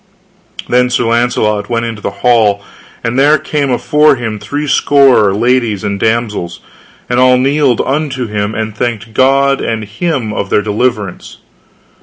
Then Sir Launcelot went into the hall, and there came afore him three score ladies and damsels, and all kneeled unto him, and thanked God and him of their deliverance.